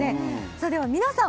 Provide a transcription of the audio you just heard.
それでは皆さん